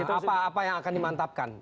apa yang akan dimantapkan